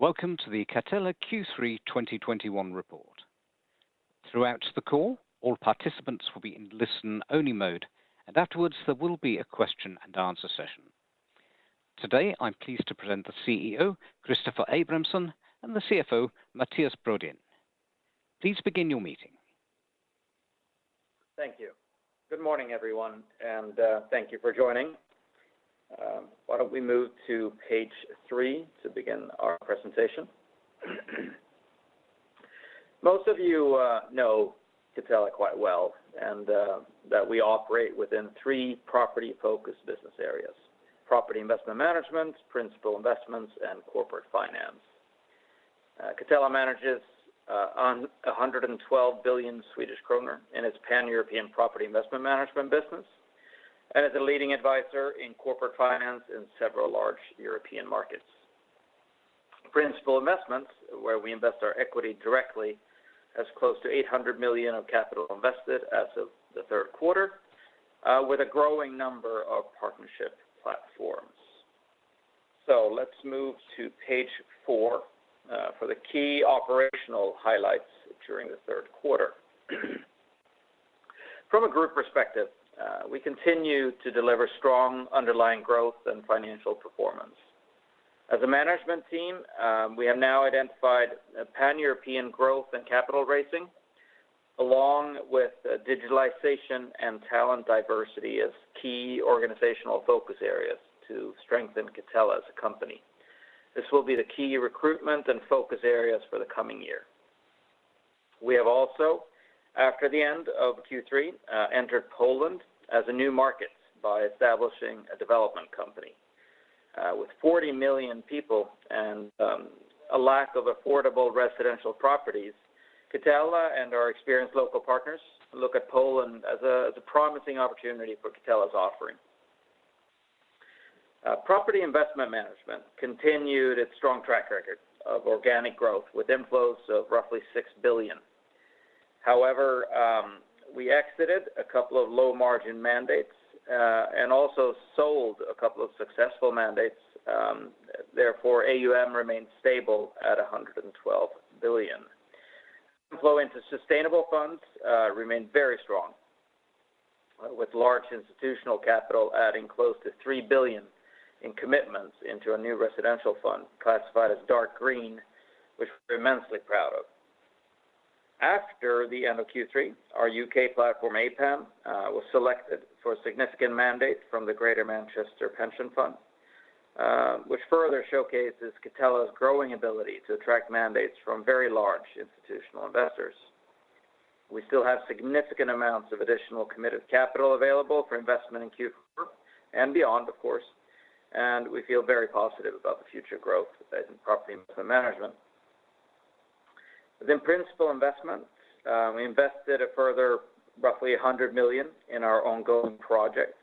Welcome to the Catella Q3 2021 Report. Throughout the call, all participants will be in listen-only mode, and afterwards there will be a question-and-answer session. Today, I'm pleased to present the CEO, Christoffer Abramson, and the CFO, Mattias Brodin. Please begin your meeting. Thank you. Good morning, everyone, and thank you for joining. Why don't we move to page three to begin our presentation? Most of you know Catella quite well, and that we operate within three property-focused business areas: Property Investment Management, Principal Investments, and Corporate Finance. Catella manages 112 billion Swedish kronor in its Pan-European Property Investment Management business and is a leading advisor in Corporate Finance in several large European markets. Principal Investments, where we invest our equity directly, has close to 800 million of capital invested as of the third quarter, with a growing number of partnership platforms. Let's move to page four for the key operational highlights during the third quarter. From a group perspective, we continue to deliver strong underlying growth and financial performance. As a management team, we have now identified Pan-European growth and capital raising, along with digitalization and talent diversity as key organizational focus areas to strengthen Catella as a company. This will be the key recruitment and focus areas for the coming year. We have also, after the end of Q3, entered Poland as a new market by establishing a development company. With 40 million people and a lack of affordable residential properties, Catella and our experienced local partners look at Poland as a promising opportunity for Catella's offering. Property Investment Management continued its strong track record of organic growth with inflows of roughly 6 billion. However, we exited a couple of low-margin mandates and also sold a couple of successful mandates, therefore, AUM remains stable at 112 billion. Inflow into sustainable funds remained very strong with large institutional capital adding close to 3 billion in commitments into a new residential fund classified as dark green, which we're immensely proud of. After the end of Q3, our U.K. platform, APAM, was selected for a significant mandate from the Greater Manchester Pension Fund, which further showcases Catella's growing ability to attract mandates from very large institutional investors. We still have significant amounts of additional committed capital available for investment in Q4 and beyond, of course, and we feel very positive about the future growth in Property Investment Management. Within Principal Investments, we invested a further roughly 100 million in our ongoing projects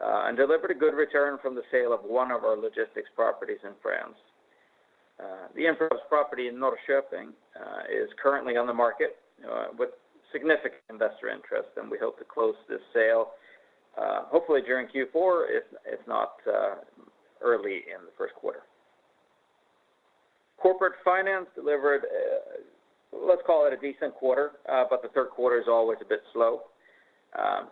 and delivered a good return from the sale of one of our logistics properties in France. The Infrahubs property in Norrköping is currently on the market with significant investor interest, and we hope to close this sale hopefully during Q4, if not early in the first quarter. Corporate Finance delivered, let's call it a decent quarter, but the third quarter is always a bit slow.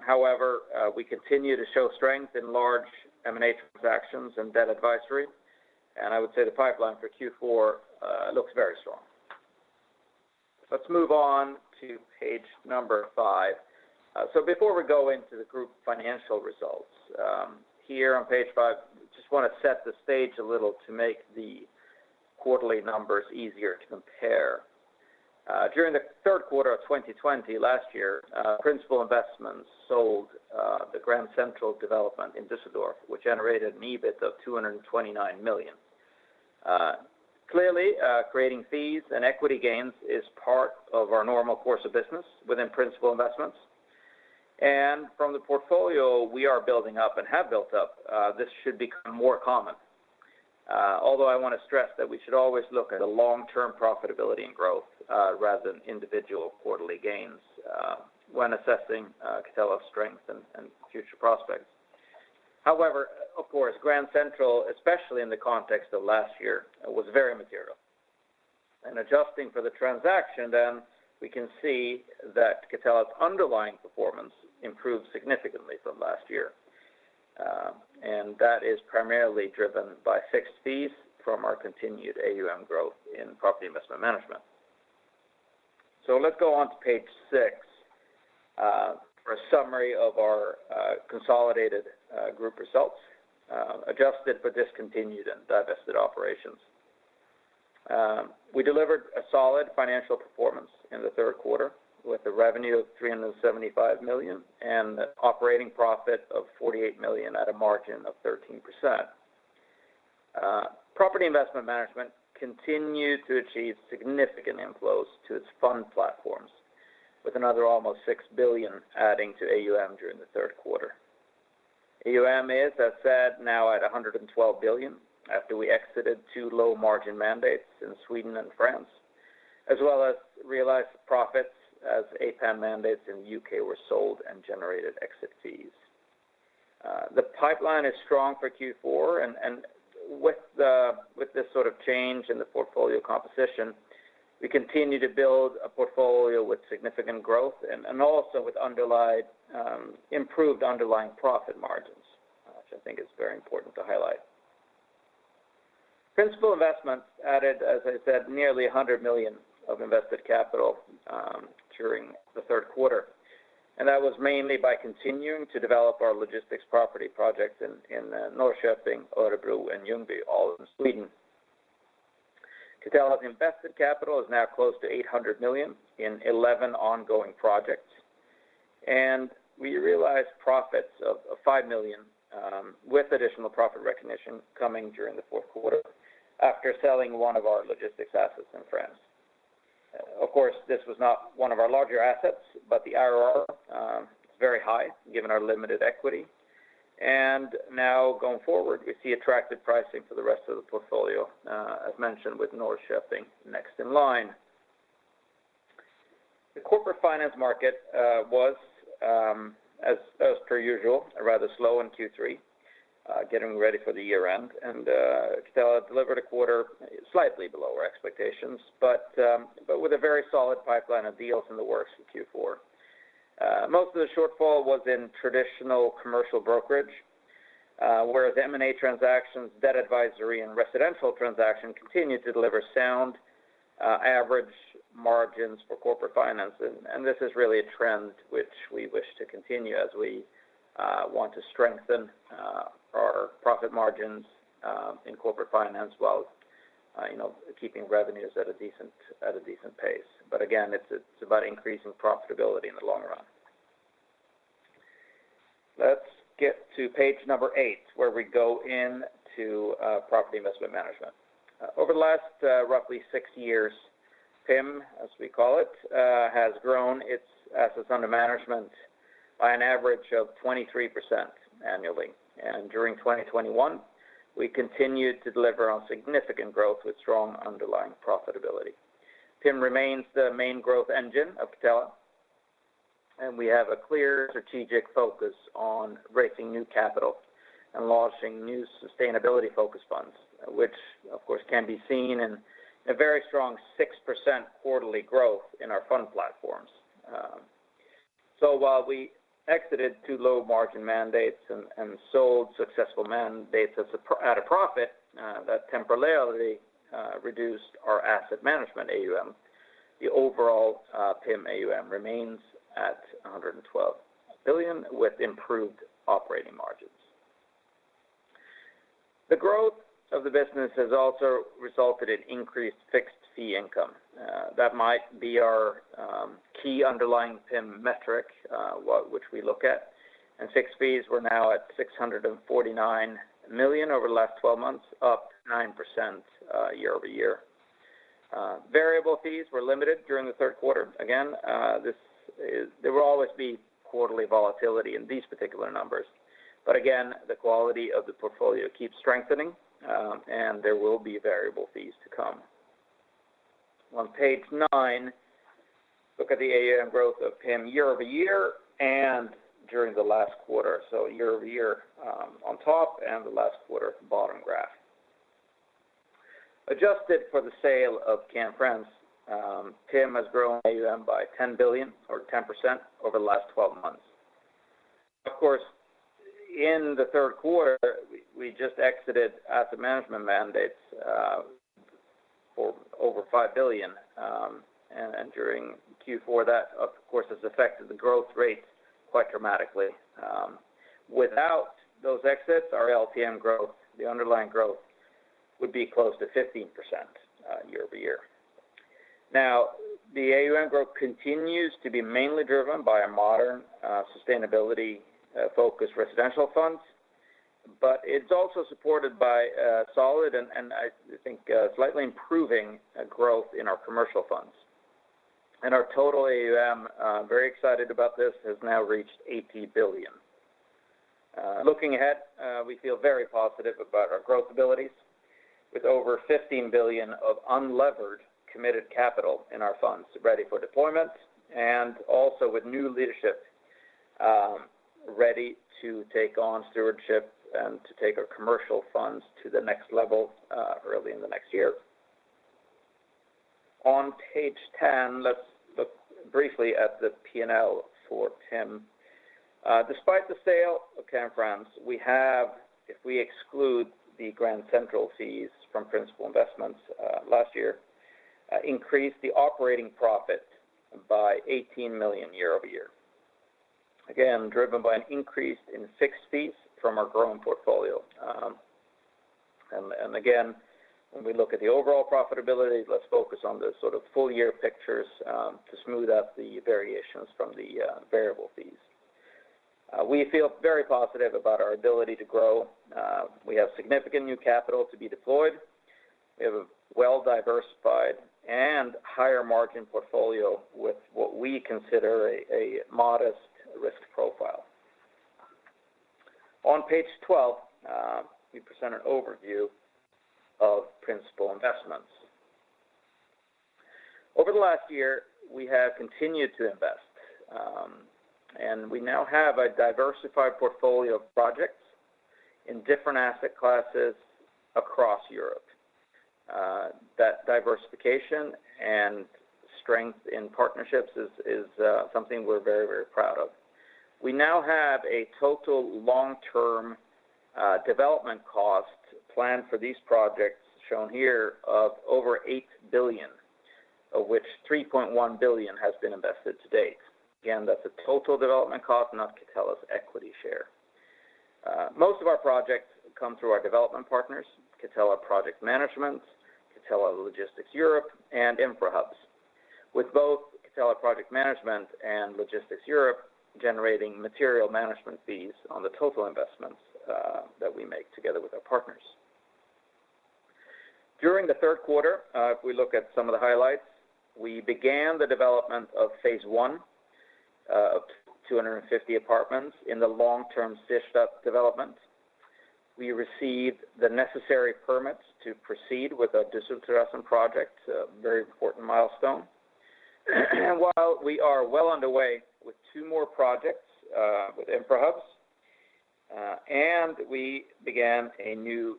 However, we continue to show strength in large M&A transactions and debt advisory, and I would say the pipeline for Q4 looks very strong. Let's move on to page 5. Before we go into the group financial results, here on page five, just wanna set the stage a little to make the quarterly numbers easier to compare. During the third quarter of 2020 last year, principal investments sold the Grand Central development in Düsseldorf, which generated EBIT of 229 million. Clearly, creating fees and equity gains is part of our normal course of business within principal investments. From the portfolio we are building up and have built up, this should become more common. Although I wanna stress that we should always look at a long-term profitability and growth rather than individual quarterly gains when assessing Catella's strength and future prospects. However, of course, Grand Central, especially in the context of last year, was very material. Adjusting for the transaction, then we can see that Catella's underlying performance improved significantly from last year. That is primarily driven by fixed fees from our continued AUM growth in property investment management. Let's go on to page six for a summary of our consolidated group results adjusted for discontinued and divested operations. We delivered a solid financial performance in the third quarter with a revenue of 375 million and operating profit of 48 million at a margin of 13%. Property Investment Management continued to achieve significant inflows to its fund platforms with another almost 6 billion adding to AUM during the third quarter. AUM is, as said, now at 112 billion after we exited two low-margin mandates in Sweden and France, as well as realized profits as APAM mandates in U.K. were sold and generated exit fees. The pipeline is strong for Q4 and with this sort of change in the portfolio composition, we continue to build a portfolio with significant growth and also with underlying improved underlying profit margins, which I think is very important to highlight. Principal Investments added, as I said, nearly 100 million of invested capital during the third quarter. That was mainly by continuing to develop our logistics property projects in Norrköping, Örebro, and Ljungby, all in Sweden. Catella's invested capital is now close to 800 million in 11 ongoing projects. We realized profits of 5 million with additional profit recognition coming during the fourth quarter after selling one of our logistics assets in France. Of course, this was not one of our larger assets, but the IRR is very high given our limited equity. Now going forward, we see attractive pricing for the rest of the portfolio, as mentioned, with Norrköping next in line. The Corporate Finance market was as per usual rather slow in Q3, getting ready for the year-end. Catella delivered a quarter slightly below our expectations with a very solid pipeline of deals in the works in Q4. Most of the shortfall was in traditional commercial brokerage, whereas M&A transactions, debt advisory, and residential transaction continued to deliver sound average margins for Corporate Finance. This is really a trend which we wish to continue as we want to strengthen our profit margins in Corporate Finance while you know, keeping revenues at a decent pace. Again, it's about increasing profitability in the long run. Let's get to page number eight, where we go into Property Investment Management. Over the last roughly six years, PIM, as we call it, has grown its assets under management by an average of 23% annually. During 2021, we continued to deliver on significant growth with strong underlying profitability. PIM remains the main growth engine of Catella, and we have a clear strategic focus on raising new capital and launching new sustainability-focused funds, which of course can be seen in a very strong 6% quarterly growth in our fund platforms. While we exited two low-margin mandates and sold successful mandates at a profit, that temporarily reduced our asset management AUM. The overall PIM AUM remains at 112 billion with improved operating margins. The growth of the business has also resulted in increased fixed fee income. That might be our key underlying PIM metric, which we look at. Fixed fees were now at 649 million over the last twelve months, up 9% year-over-year. Variable fees were limited during the third quarter. Again, there will always be quarterly volatility in these particular numbers. Again, the quality of the portfolio keeps strengthening, and there will be variable fees to come. On page nine, look at the AUM growth of PIM year-over-year and during the last quarter. Year-over-year, on top and the last quarter at the bottom graph. Adjusted for the sale of Catella France, PIM has grown AUM by 10 billion or 10% over the last 12 months. Of course, in the third quarter, we just exited asset management mandates for over SEK 5 billion. During Q4, that, of course, has affected the growth rates quite dramatically. Without those exits, our LTM growth, the underlying growth, would be close to 15%, year-over-year. The AUM growth continues to be mainly driven by a modern, sustainability-focused residential funds, but it's also supported by a solid and I think, slightly improving growth in our commercial funds. Our total AUM, very excited about this, has now reached 80 billion. Looking ahead, we feel very positive about our growth abilities with over 15 billion of unlevered committed capital in our funds ready for deployment and also with new leadership, ready to take on stewardship and to take our commercial funds to the next level, early in the next year. On page 10, let's look briefly at the P&L for PIM. Despite the sale of Catella France, we have, if we exclude the Grand Central fees from principal investments, last year, increased the operating profit by 18 million year-over-year. Again, driven by an increase in fixed fees from our growing portfolio. Again, when we look at the overall profitability, let's focus on the sort of full year pictures, to smooth out the variations from the variable fees. We feel very positive about our ability to grow. We have significant new capital to be deployed. We have a well-diversified and higher-margin portfolio with what we consider a modest risk profile. On page 12, we present an overview of Principal Investments. Over the last year, we have continued to invest and we now have a diversified portfolio of projects in different asset classes across Europe. That diversification and strength in partnerships is something we're very, very proud of. We now have a total long-term development cost plan for these projects shown here of over 8 billion, of which 3.1 billion has been invested to date. Again, that's a total development cost, not Catella's equity share. Most of our projects come through our development partners, Catella Project Management, Catella Logistics Europe, and Infrahubs, with both Catella Project Management and Logistic Europe generating material management fees on the total investments that we make together with our partners. During the third quarter, if we look at some of the highlights, we began the development of phase I of 250 apartments in the long-term development. We received the necessary permits to proceed with a project, a very important milestone. While we are well underway with two more projects with Infrahubs, and we began a new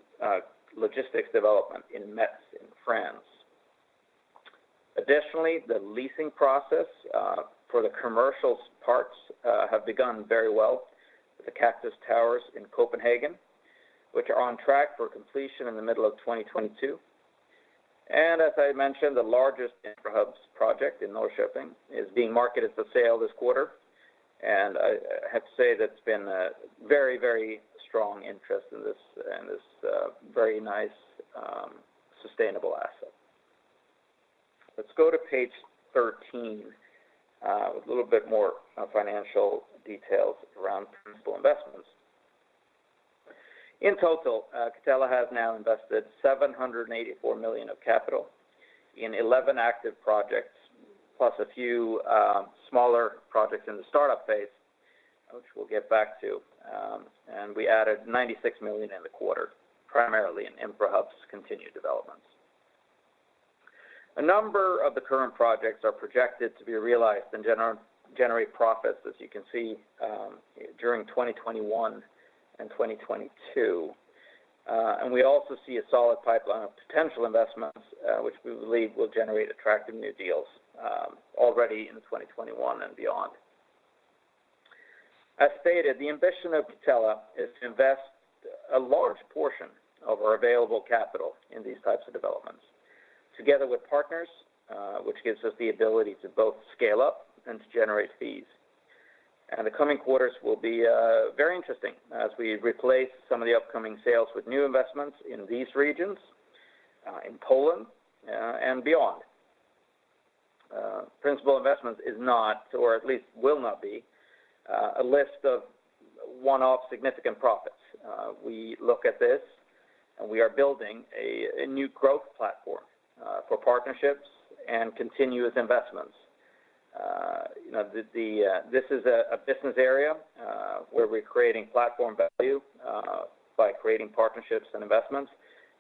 logistics development in Metz in France. Additionally, the leasing process for the commercial parts have begun very well with the Cactus Towers in Copenhagen, which are on track for completion in the middle of 2022. As I mentioned, the largest Infrahubs project in Norrköping is being marketed for sale this quarter. I have to say that it's been a very, very strong interest in this very nice sustainable asset. Let's go to page 13 with a little bit more financial details around Principal Investments. In total, Catella has now invested 784 million of capital in 11 active projects, plus a few smaller projects in the startup phase, which we'll get back to. We added 96 million in the quarter, primarily in Infrahubs continued developments. A number of the current projects are projected to be realized and generate profits, as you can see, during 2021 and 2022. We also see a solid pipeline of potential investments, which we believe will generate attractive new deals, already in 2021 and beyond. As stated, the ambition of Catella is to invest a large portion of our available capital in these types of developments together with partners, which gives us the ability to both scale up and to generate fees. The coming quarters will be very interesting as we replace some of the upcoming sales with new investments in these regions, in Poland, and beyond. Principal Investments is not, or at least will not be, a list of one-off significant profits. We look at this and we are building a new growth platform for partnerships and continuous investments. This is a business area where we're creating platform value by creating partnerships and investments.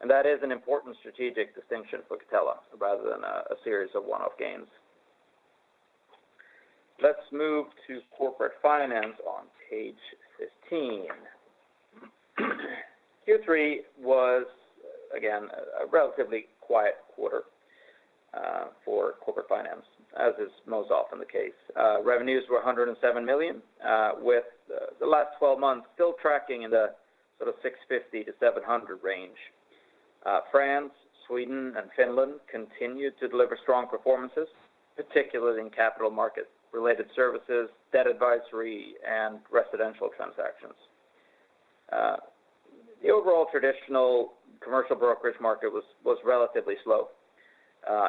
That is an important strategic distinction for Catella rather than a series of one-off gains. Let's move to Corporate Finance on page 15. Q3 was again a relatively quiet quarter for Corporate Finance, as is most often the case. Revenues were 107 million, with the last twelve months still tracking in the sort of 650 million-700 million range. France, Sweden, and Finland continued to deliver strong performances, particularly in capital market-related services, debt advisory, and residential transactions. The overall traditional commercial brokerage market was relatively slow,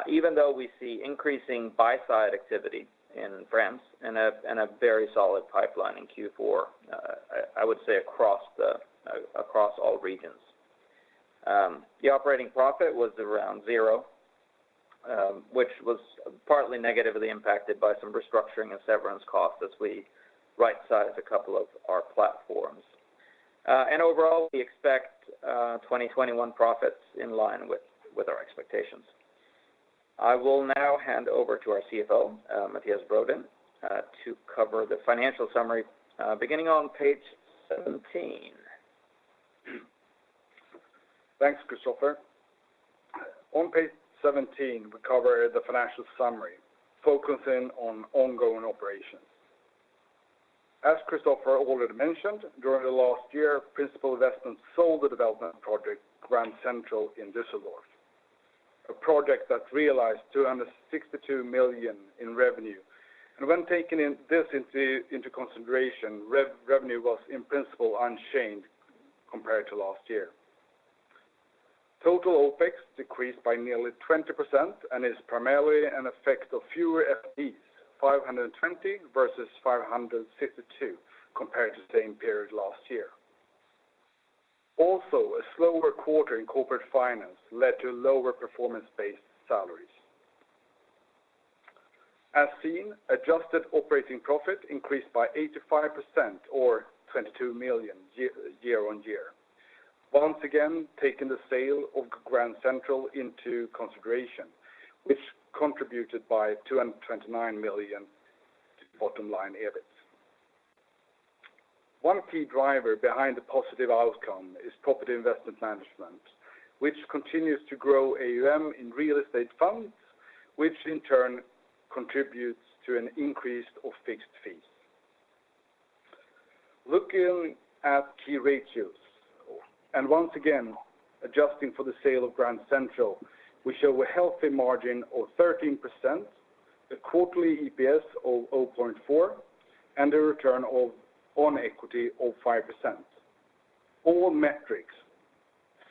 even though we see increasing buy-side activity in France and a very solid pipeline in Q4, I would say across all regions. The operating profit was around zero, which was partly negatively impacted by some restructuring and severance costs as we right-sized a couple of our platforms. Overall, we expect 2021 profits in line with our expectations. I will now hand over to our CFO, Mattias Brodin, to cover the financial summary, beginning on page 17. Thanks, Christoffer. On page 17, we cover the financial summary, focusing on ongoing operations. As Christoffer already mentioned, during the last year, Principal Investments sold the development project Grand Central in Düsseldorf. A project that realized 262 million in revenue. When taking this into consideration, revenue was in principle unchanged compared to last year. Total OpEx decreased by nearly 20% and is primarily an effect of fewer FTEs, 520 versus 552 compared to the same period last year. Also, a slower quarter in Corporate Finance led to lower performance-based salaries. As seen, adjusted operating profit increased by 85% or 22 million year-over-year. Once again, taking the sale of Grand Central into consideration, which contributed by 229 million to bottom line EBIT. One key driver behind the positive outcome is Property Investment Management, which continues to grow AUM in real estate funds, which in turn contributes to an increase of fixed fees. Looking at key ratios, and once again adjusting for the sale of Grand Central, we show a healthy margin of 13%, the quarterly EPS of 0.4, and a return on own equity of 5%. All metrics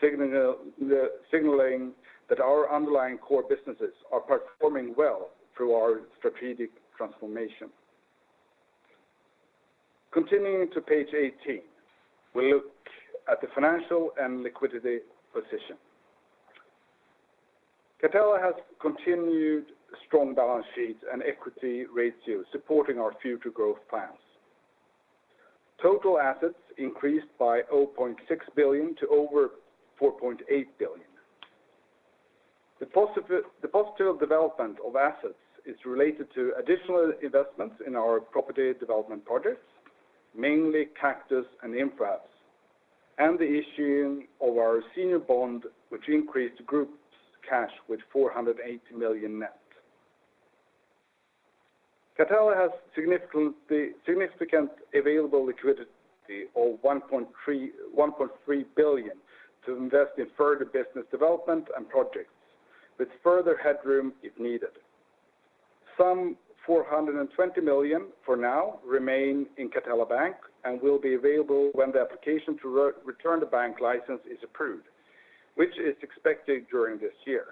signaling that our underlying core businesses are performing well through our strategic transformation. Continuing to page 18, we look at the financial and liquidity position. Catella has continued strong balance sheets and equity ratios supporting our future growth plans. Total assets increased by 0.6 billion to over 4.8 billion. The positive development of assets is related to additional investments in our property development projects, mainly Cactus and Infrahubs, and the issuing of our senior bond which increased the group's cash with 480 million net. Catella has significant available liquidity of 1.3 billion to invest in further business development and projects with further headroom if needed. Some 420 million for now remain in Catella Bank and will be available when the application to return the bank license is approved, which is expected during this year.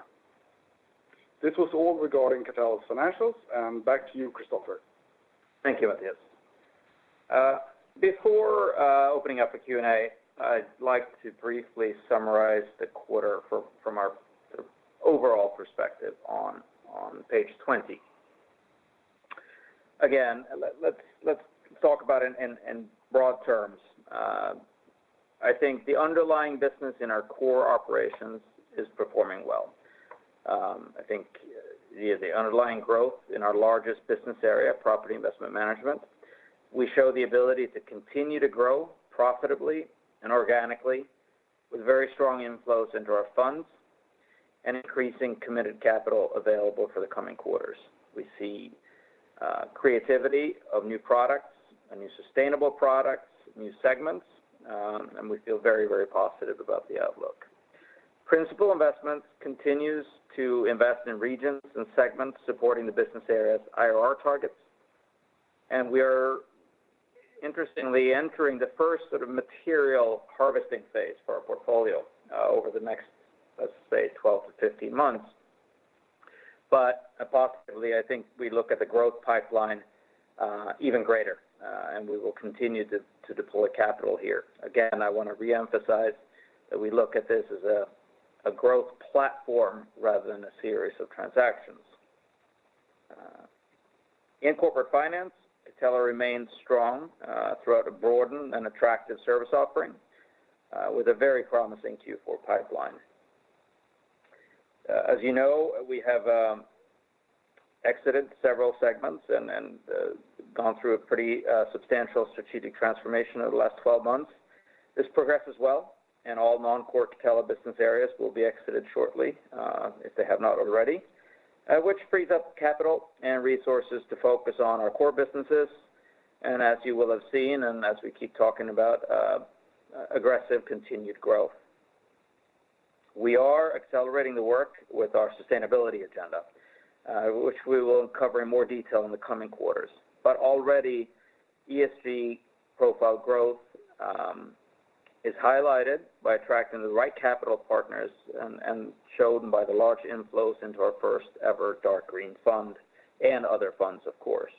This was all regarding Catella's financials, and back to you, Christoffer. Thank you, Mattias. Before opening up the Q&A, I'd like to briefly summarize the quarter from our sort of overall perspective on page 20. Again, let's talk about it in broad terms. I think the underlying business in our core operations is performing well. I think the underlying growth in our largest business area, Property Investment Management, we show the ability to continue to grow profitably and organically with very strong inflows into our funds and increasing committed capital available for the coming quarters. We see creation of new products and new sustainable products, new segments, and we feel very positive about the outlook. Principal Investments continues to invest in regions and segments supporting the business areas IRR targets. We are interestingly entering the first sort of material harvesting phase for our portfolio over the next, let's say, 12 months-15 months. Positively, I think we look at the growth pipeline even greater, and we will continue to deploy capital here. Again, I want to re-emphasize that we look at this as a growth platform rather than a series of transactions. In Corporate Finance, Catella remains strong throughout a broadened and attractive service offering with a very promising Q4 pipeline. As you know, we have exited several segments and gone through a pretty substantial strategic transformation over the last 12 months. This progresses well, and all non-core Catella business areas will be exited shortly, if they have not already, which frees up capital and resources to focus on our core businesses, and as you will have seen and as we keep talking about, aggressive continued growth. We are accelerating the work with our sustainability agenda, which we will cover in more detail in the coming quarters. Already, ESG profile growth is highlighted by attracting the right capital partners and shown by the large inflows into our first-ever dark green fund and other funds, of course.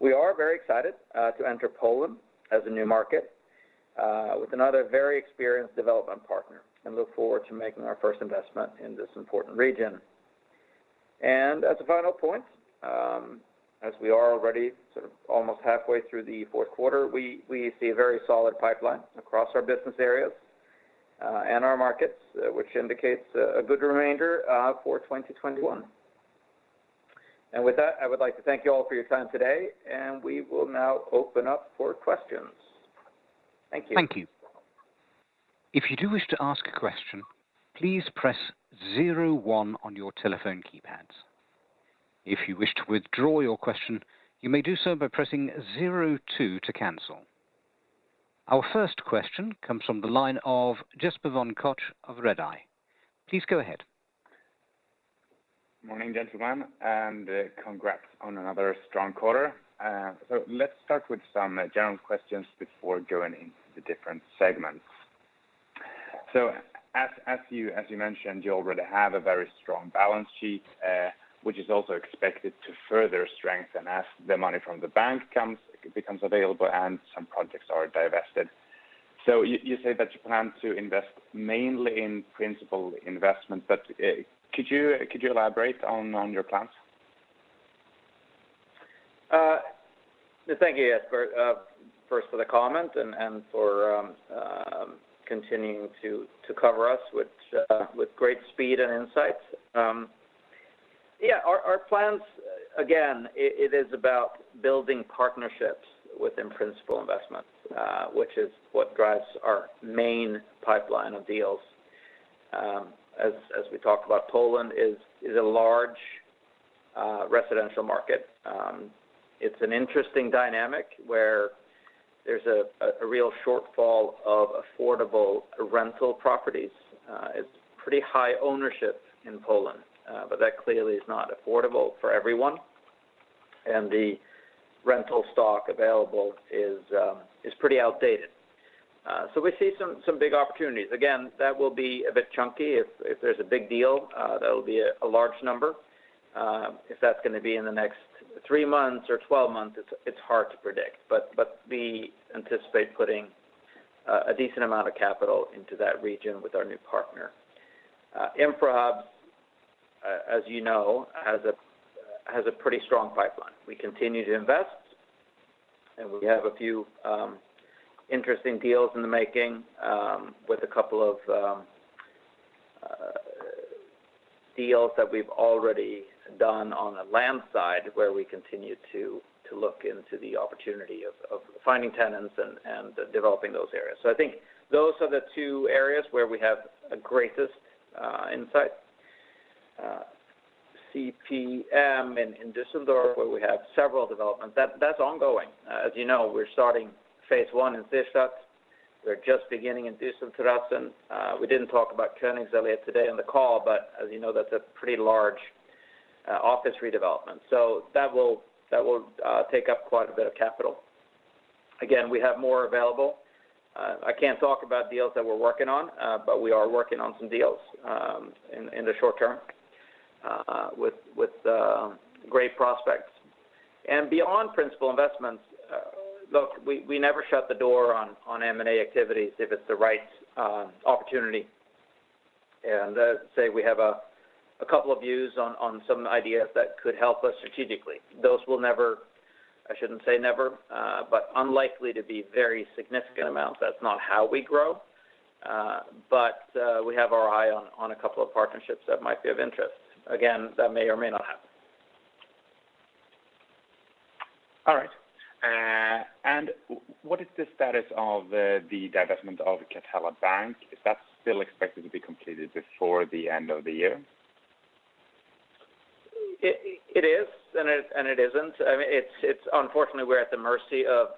We are very excited to enter Poland as a new market with another very experienced development partner and look forward to making our first investment in this important region. As a final point, as we are already sort of almost halfway through the fourth quarter, we see a very solid pipeline across our business areas and our markets, which indicates a good remainder for 2021. With that, I would like to thank you all for your time today, and we will now open up for questions. Thank you. Thank you. If you do wish to ask a question, please press zero one on your telephone keypads. If you wish to withdraw your question, you may do so by pressing zero two to cancel. Our first question comes from the line of Jesper von Koch of Redeye. Please go ahead. Morning, gentlemen, and congrats on another strong quarter. Let's start with some general questions before going into the different segments. As you mentioned, you already have a very strong balance sheet, which is also expected to further strengthen as the money from the bank becomes available and some projects are divested. You say that you plan to invest mainly in principal investment, but could you elaborate on your plans? Thank you, Jesper, first for the comment and for continuing to cover us with great speed and insights. Yeah, our plans, again, it is about building partnerships within Principal Investments, which is what drives our main pipeline of deals. As we talk about, Poland is a large residential market. It's an interesting dynamic where there's a real shortfall of affordable rental properties. It's pretty high ownership in Poland, but that clearly is not affordable for everyone. The rental stock available is pretty outdated. So we see some big opportunities. Again, that will be a bit chunky if there's a big deal, that'll be a large number. If that's gonna be in the next three months or 12 months, it's hard to predict. We anticipate putting a decent amount of capital into that region with our new partner. Infrahubs, as you know, has a pretty strong pipeline. We continue to invest, and we have a few interesting deals in the making with a couple of deals that we've already done on the land side, where we continue to look into the opportunity of finding tenants and developing those areas. I think those are the two areas where we have the greatest insight. CPM in Düsseldorf, where we have several developments, that's ongoing. As you know, we're starting phase I in Düsseldorf. We're just beginning in Düsseldorf. We didn't talk about Königsallee today on the call, but as you know, that's a pretty large office redevelopment. That will take up quite a bit of capital. Again, we have more available. I can't talk about deals that we're working on, but we are working on some deals in the short term with great prospects. Beyond Principal Investments, we never shut the door on M&A activities if it's the right opportunity. Let's say we have a couple of views on some ideas that could help us strategically. Those will never. I shouldn't say never, but unlikely to be very significant amounts. That's not how we grow. We have our eye on a couple of partnerships that might be of interest. Again, that may or may not happen. All right. What is the status of the divestment of Catella Bank? Is that still expected to be completed before the end of the year? It is, and it isn't. I mean, it's unfortunately we're at the mercy of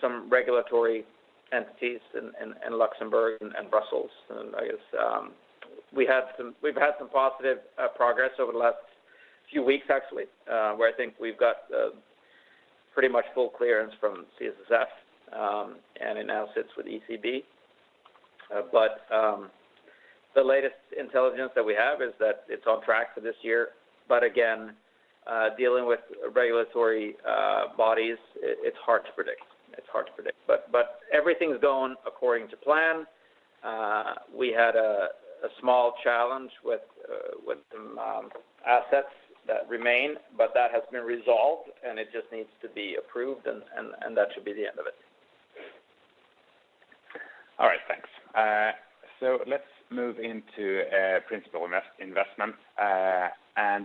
some regulatory entities in Luxembourg and Brussels. I guess we've had some positive progress over the last few weeks, actually, where I think we've got pretty much full clearance from CSSF, and it now sits with ECB. The latest intelligence that we have is that it's on track for this year. Again, dealing with regulatory bodies, it's hard to predict. Everything's going according to plan. We had a small challenge with some assets that remain, but that has been resolved, and it just needs to be approved, and that should be the end of it. All right. Thanks. Let's move into principal investment.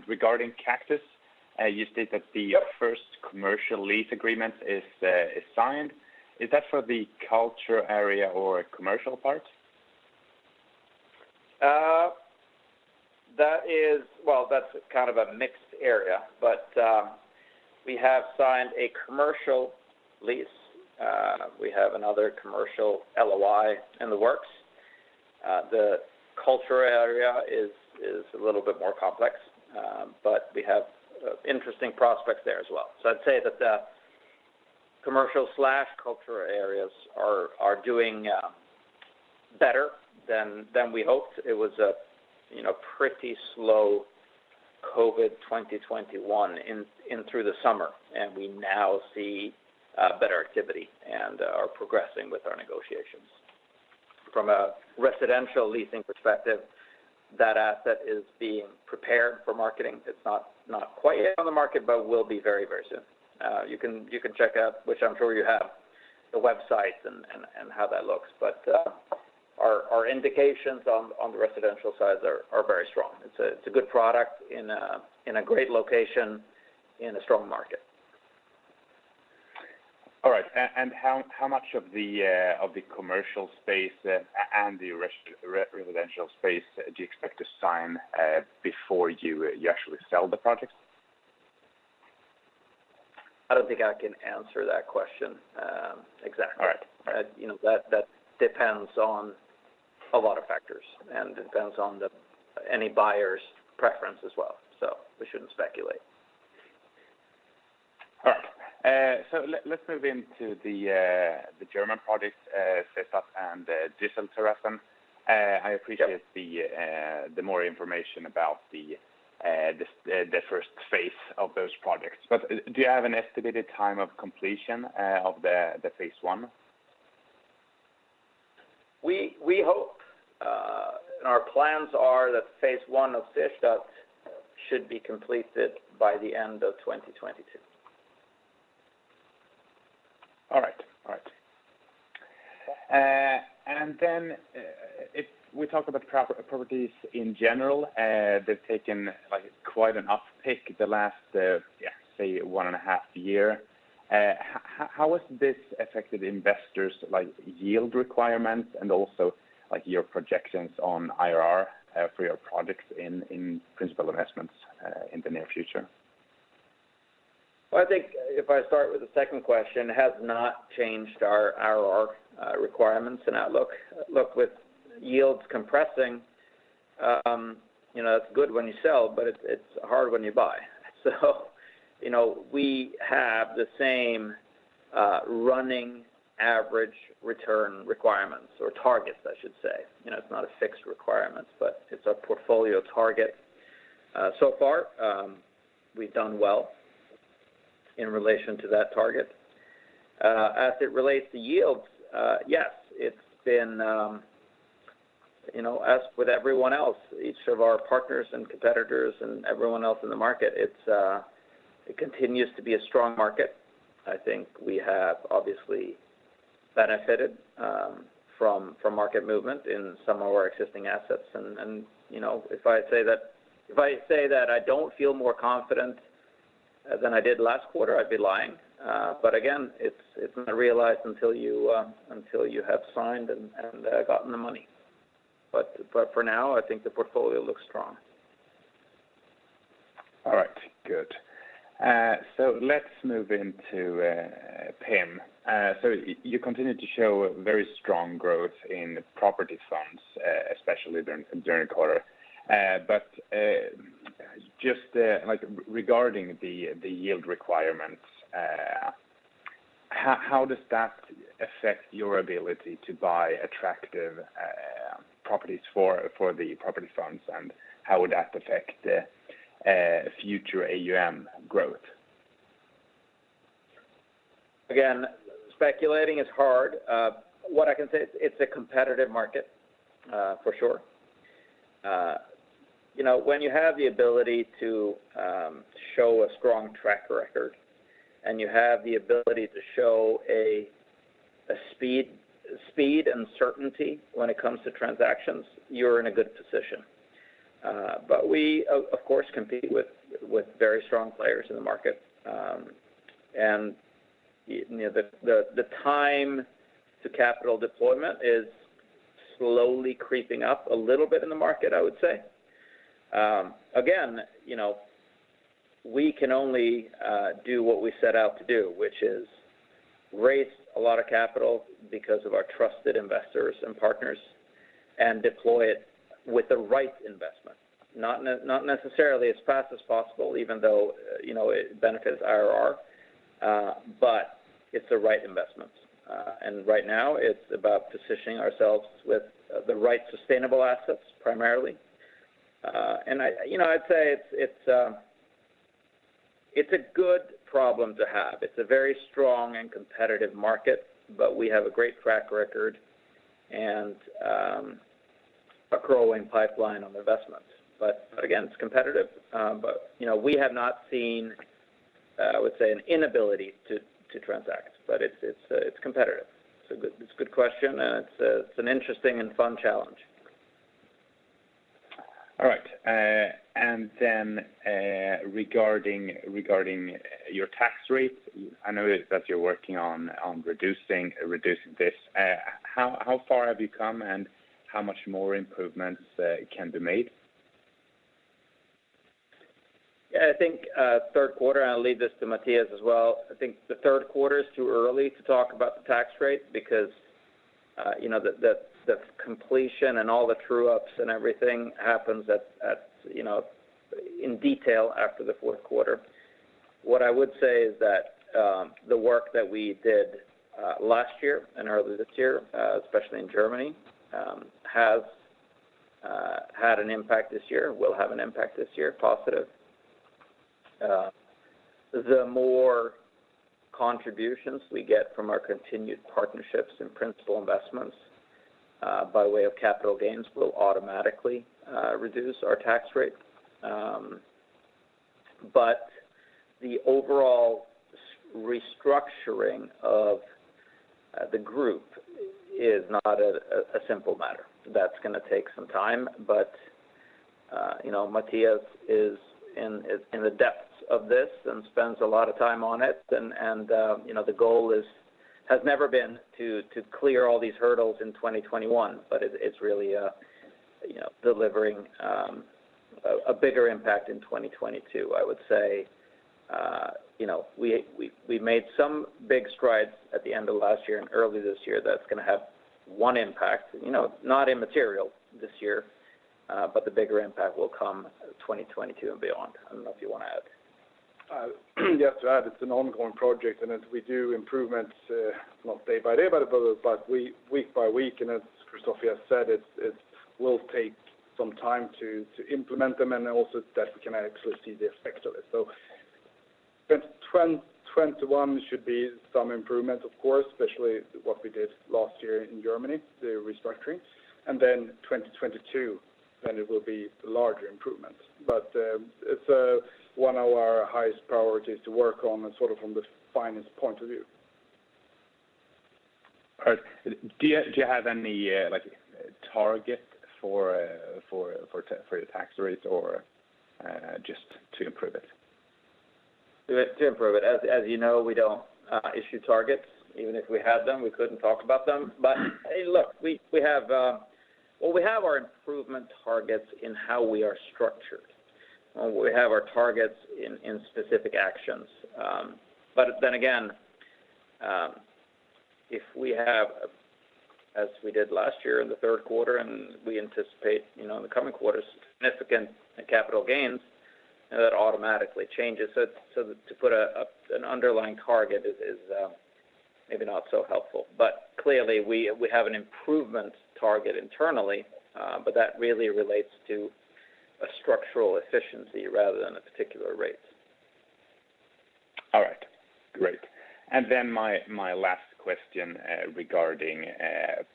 Regarding Cactus, you state that the first commercial lease agreement is signed. Is that for the culture area or commercial part? Well, that's kind of a mixed area, but we have signed a commercial lease. We have another commercial LOI in the works. The cultural area is a little bit more complex, but we have interesting prospects there as well. I'd say that the commercial and cultural areas are doing better than we hoped. It was, you know, a pretty slow COVID 2021 in through the summer, and we now see better activity and are progressing with our negotiations. From a residential leasing perspective, that asset is being prepared for marketing. It's not quite yet on the market, but will be very, very soon. You can check out, which I'm sure you have, the website and how that looks. Our indications on the residential side are very strong. It's a good product in a great location, in a strong market. All right. How much of the commercial space and the residential space do you expect to sign before you actually sell the project? I don't think I can answer that question, exactly. All right. You know, that depends on a lot of factors, and depends on any buyer's preference as well. We shouldn't speculate. All right. Let's move into the German projects, Düsseldorf. I appreciate the more information about the phase I of those projects. Do you have an estimated time of completion of the phase I? We hope and our plans are that phase I of Düsseldorf should be completed by the end of 2022. All right. If we talk about properties in general, they've taken, like, quite an uptick the last, say 1.5 years. How has this affected investors' yield requirements and also your projections on IRR for your projects in Principal Investments in the near future? Well, I think if I start with the second question, it has not changed our IRR requirements and outlook. Look, with yields compressing, you know, it's good when you sell, but it's hard when you buy. You know, we have the same running average return requirements or targets, I should say. You know, it's not a fixed requirement, but it's our portfolio target. So far, we've done well in relation to that target. As it relates to yields, yes, it's been, you know, as with everyone else, each of our partners and competitors and everyone else in the market, it continues to be a strong market. I think we have obviously benefited from market movement in some of our existing assets. You know, if I say that I don't feel more confident than I did last quarter, I'd be lying. Again, it's not realized until you have signed and gotten the money. For now, I think the portfolio looks strong. All right. Good. Let's move into PIM. You continue to show very strong growth in property funds, especially during quarter. But just like regarding the yield requirements, how does that affect your ability to buy attractive properties for the property funds, and how would that affect the future AUM growth? Again, speculating is hard. What I can say, it's a competitive market, for sure. You know, when you have the ability to show a strong track record, and you have the ability to show a speed and certainty when it comes to transactions, you're in a good position. We of course compete with very strong players in the market. You know, the time to capital deployment is slowly creeping up a little bit in the market, I would say. Again, you know, we can only do what we set out to do, which is raise a lot of capital because of our trusted investors and partners and deploy it with the right investment, not necessarily as fast as possible, even though, you know, it benefits IRR, but it's the right investments. Right now it's about positioning ourselves with the right sustainable assets primarily. I you know I'd say it's a good problem to have. It's a very strong and competitive market, but we have a great track record and a growing pipeline on investments. Again, it's competitive. You know, we have not seen, I would say, an inability to transact, but it's competitive. It's a good question, and it's an interesting and fun challenge. All right. Regarding your tax rate, I know that you're working on reducing this. How far have you come, and how much more improvements can be made? Yeah, I think third quarter, I'll leave this to Mattias as well. I think the third quarter is too early to talk about the tax rate because you know, the completion and all the true ups and everything happens at you know, in detail after the fourth quarter. What I would say is that the work that we did last year and early this year especially in Germany has had an impact this year, will have an impact this year, positive. The more contributions we get from our continued partnerships and Principal Investments by way of capital gains will automatically reduce our tax rate. But the overall restructuring of the group is not a simple matter. That's gonna take some time. You know, Mattias is in the depths of this and spends a lot of time on it. You know, the goal has never been to clear all these hurdles in 2021, but it's really you know, delivering a bigger impact in 2022. I would say, you know, we made some big strides at the end of last year and early this year that's gonna have one impact, you know, not immaterial this year, but the bigger impact will come 2022 and beyond. I don't know if you wanna add. I just want to add, it's an ongoing project, and as we do improvements, not day by day, but week by week, and as Christoffer said, it will take some time to implement them and then also that we can actually see the effects of it. 2021 should be some improvement, of course, especially what we did last year in Germany, the restructuring. 2022, it will be larger improvements. It's one of our highest priorities to work on and sort of from the finance point of view. All right. Do you have any, like, target for your tax rates or just to improve it? To improve it. As you know, we don't issue targets. Even if we had them, we couldn't talk about them. Hey, look, we have our improvement targets in how we are structured, and we have our targets in specific actions. Then again, if we have, as we did last year in the third quarter, and we anticipate, you know, in the coming quarters, significant capital gains, then that automatically changes it. To put an underlying target is maybe not so helpful. Clearly we have an improvement target internally, but that really relates to a structural efficiency rather than a particular rate. All right. Great. My last question regarding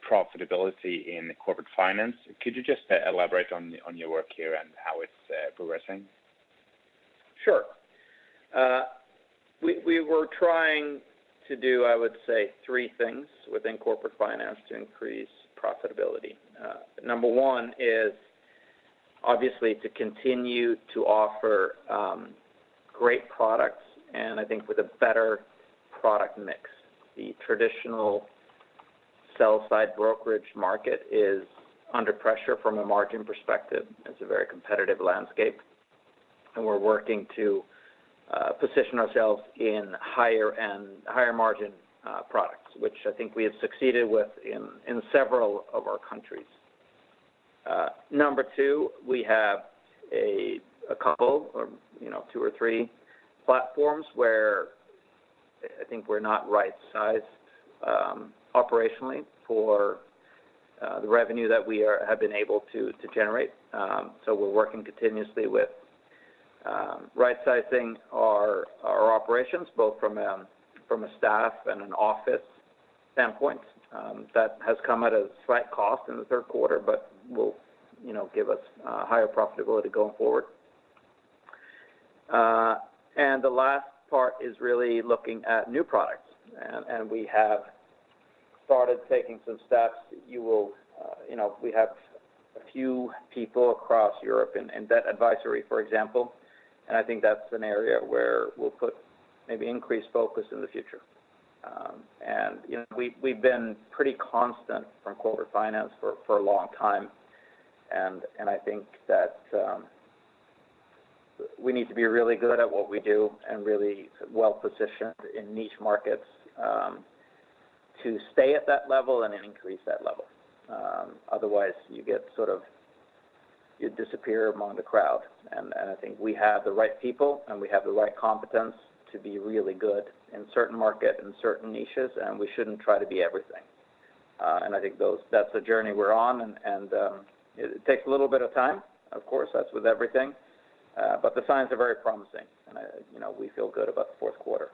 profitability in Corporate Finance. Could you just elaborate on your work here and how it's progressing? Sure. We were trying to do, I would say, three things within Corporate Finance to increase profitability. Number one is obviously to continue to offer great products, and I think with a better product mix. The traditional sell-side brokerage market is under pressure from a margin perspective. It's a very competitive landscape, and we're working to position ourselves in higher margin products, which I think we have succeeded with in several of our countries. Number two, we have a couple or you know two or three platforms where I think we're not right-sized operationally for the revenue that we have been able to generate. So we're working continuously with right-sizing our operations, both from a staff and an office standpoint. That has come at a slight cost in the third quarter, but will, you know, give us higher profitability going forward. The last part is really looking at new products. We have started taking some steps. You know, we have a few people across Europe in debt advisory, for example, and I think that's an area where we'll put maybe increased focus in the future. You know, we've been pretty constant from Corporate Finance for a long time. I think that we need to be really good at what we do and really well-positioned in niche markets to stay at that level and increase that level. Otherwise, you sort of disappear among the crowd. I think we have the right people and we have the right competence to be really good in certain market and certain niches, and we shouldn't try to be everything. That's the journey we're on, and it takes a little bit of time, of course, as with everything. The signs are very promising, and you know, we feel good about the fourth quarter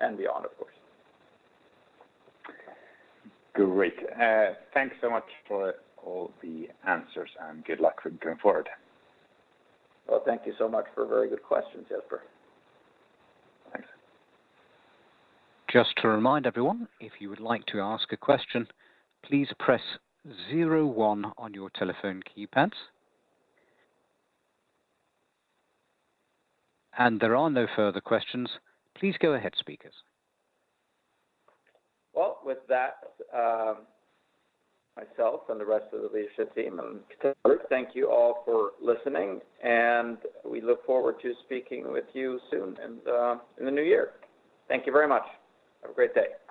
and beyond, of course. Great. Thanks so much for all the answers, and good luck going forward. Well, thank you so much for very good questions, Jesper. Thanks. Just to remind everyone, if you would like to ask a question, please press zero one on your telephone keypads. And there are no further questions. Please go ahead, speakers. Well, with that, myself and the rest of the leadership team. Christoffer Thank you all for listening, and we look forward to speaking with you soon and in the new year. Thank you very much. Have a great day.